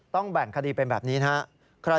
แบ่งคดีเป็นแบบนี้นะครับ